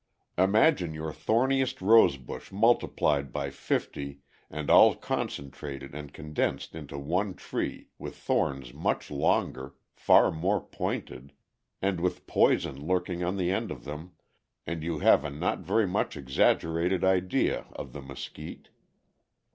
Imagine your thorniest rosebush multiplied by fifty and all concentrated and condensed into one tree with thorns much longer, far more pointed, and with poison lurking on the end of them, and you have a not very much exaggerated idea of the mesquite.